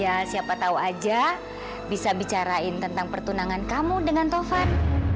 ya siapa tahu aja bisa bicarain tentang pertunangan kamu dengan tovan